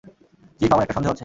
Chief, আমার একটা সন্দেহ আছে।